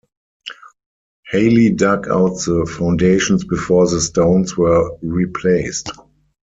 Hawley dug out the foundations before the stones were replaced.